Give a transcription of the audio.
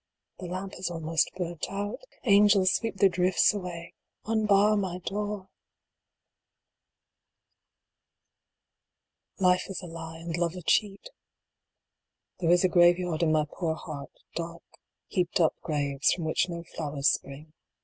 The lamp is almost burnt out. Angels, sweep the drifts away unbar my door ! IV. Life is a lie, and Love a cheat. There is a graveyard in my poor heart dark, heaped up graves, from which no flowers spring.